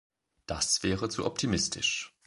Das wäre zu optimistisch.